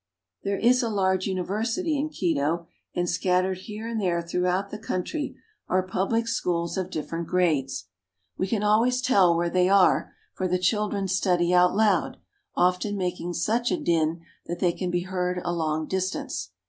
There is a large university in Quito, and scattered here and there throughout the country are public schools of Water Carrier. 50 PERU. different grades. We can always tell where they are, for the children study out loud, often making such a din that they can be heard a long distance.